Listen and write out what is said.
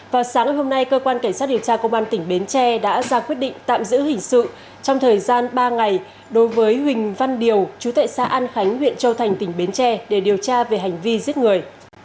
vào sáng hôm nay cơ quan cảnh sát điều tra công an tỉnh bến tre đã ra quyết định tạm giữ hình sự trong thời gian ba ngày đối với huỳnh văn điều chú tệ xa an khánh huyện châu thành tỉnh bến tre để điều tra về hành vi giết người